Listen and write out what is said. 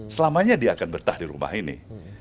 selamanya dia akan betah di rumah ini